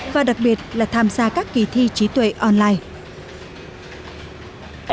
và đặc biệt là tham gia các kỳ thi trí tuệ online